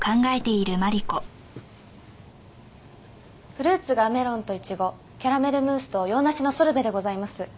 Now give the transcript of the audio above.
フルーツがメロンとイチゴキャラメルムースと洋梨のソルベでございます。